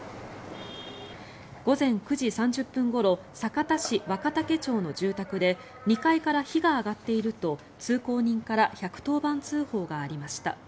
午前９時３０分ごろ酒田市若竹町の住宅で２階から火が上がっていると通行人から１１０番通報がありました。